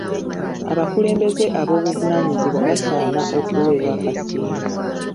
Abakulembeze ab'obuvunaanyizibwa basaana okuweebwa akasiimo.